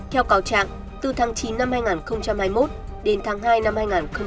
theo cáo trạng từ tháng chín năm hai nghìn hai mươi một đến tháng hai năm hai nghìn hai mươi hai